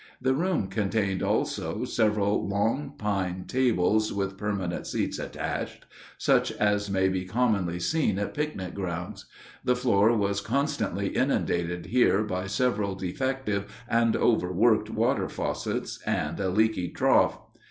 The room contained also several long pine tables with permanent seats attached, such as may be commonly seen at picnic grounds. The floor was constantly inundated here by several defective and overworked water faucets and a leaky trough.